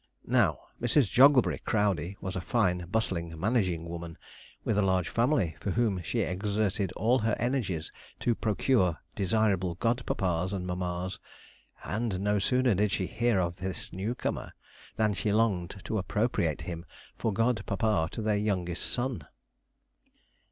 Now, Mrs. Jogglebury Crowdey was a fine, bustling, managing woman, with a large family, for whom she exerted all her energies to procure desirable god papas and mammas; and, no sooner did she hear of this newcomer, than she longed to appropriate him for god papa to their youngest son.